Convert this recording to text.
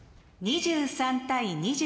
２３対２３。